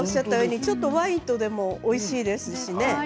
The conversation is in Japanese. ワインとでもおいしいですしね。